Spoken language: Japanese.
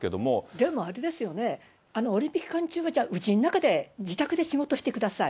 でもあれですよね、オリンピック期間中は、じゃあ、うちの中で、自宅で仕事してください。